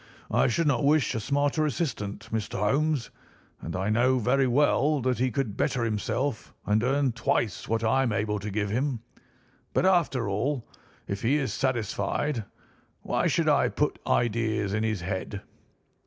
I should not wish a smarter assistant, Mr. Holmes; and I know very well that he could better himself and earn twice what I am able to give him. But, after all, if he is satisfied, why should I put ideas in his head?"